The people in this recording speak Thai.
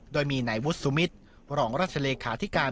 โดยมีนายวุฒิสุมิตรรองราชเลขาธิการ